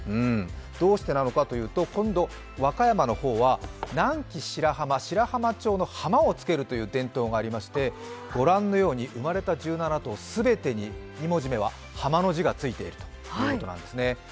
どうしてなのかというと、和歌山の方は南紀白浜、白浜町の「浜」をつける伝統がありましてご覧のように生まれた１７頭すべてに２文字目は「浜」の字がついているということです。